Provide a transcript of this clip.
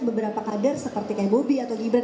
beberapa kader seperti bobby atau gibran